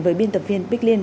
với biên tập viên bích liên